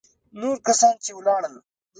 نور کسان چې ولاړل.